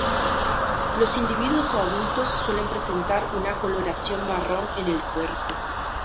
Los individuos adultos suelen presentar una coloración marrón en el cuerpo.